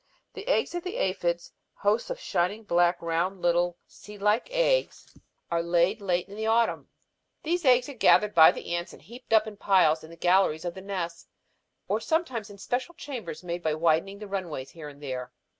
The eggs of the aphids, hosts of shining black, round, little seed like eggs, are laid late in the autumn. These eggs are gathered by the ants and heaped up in piles in the galleries of their nests, or sometimes in special chambers made by widening the runways here and there.